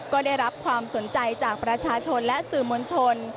ก็ได้รับความสนใจจากประชาชนและสื่อมวลชน